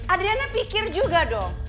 adriana pikir juga dong